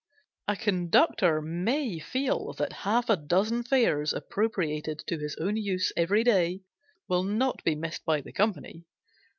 A conductor may feel that half a dozen fares appropriated to his own use every day will not be missed by the company.